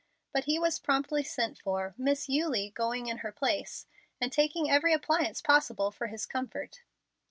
But he was promptly sent for, Miss Eulie going in her place, and taking every appliance possible for his comfort.